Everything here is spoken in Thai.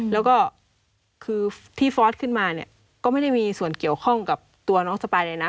แล้วก็คือที่ฟอร์สขึ้นมาเนี่ยก็ไม่ได้มีส่วนเกี่ยวข้องกับตัวน้องสปายเลยนะ